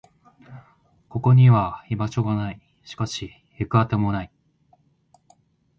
ここには居場所がない。しかし、行く当てもない。